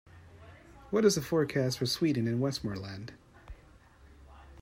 what is the forecast for Sweden in Westmoreland